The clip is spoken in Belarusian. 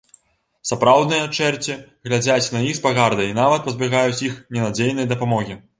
Сапраўдныя чэрці глядзяць на іх з пагардай і нават пазбягаюць іх ненадзейнай дапамогі.